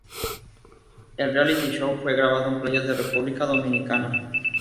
El "reality show" fue grabado en playas de República Dominicana.